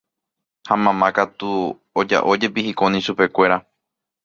ha mamá katu oja'ójepi hikóni chupekuéra